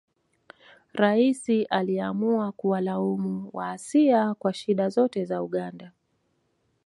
Rais aliamua kuwalaumu Waasia kwa shida zote za Uganda